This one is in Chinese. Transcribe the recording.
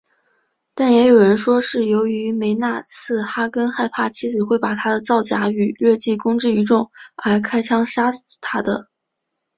但也有人说是由于梅纳茨哈根害怕妻子会把他的造假与劣迹公之于众而开枪杀死她的。